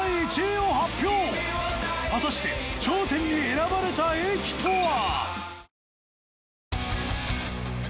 果たして頂点に選ばれた駅とは。